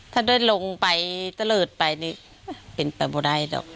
ถ้าได้ลงไปตะเลิศไปนี่เป็นไปไม่ได้หรอก